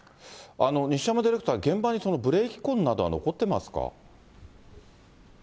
西山ディレクター、現場にブレーキ痕などは残ってますか。